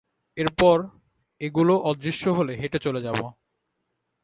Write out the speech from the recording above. এরপর, এগুলো অদৃশ্য হলে হেঁটে চলে যাবো।